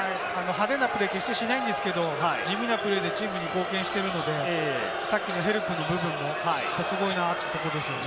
派手なプレーには見せないですけれども、地味なプレーでチームに貢献しているので、さっきのヘルプの部分すごいところですよね。